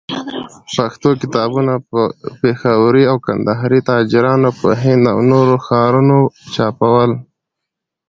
پښتو کتابونه، پېښوري او کندهاري تاجرانو په هند او نورو ښارو چاپول.